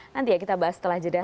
nanti ya kita bahas setelah jeda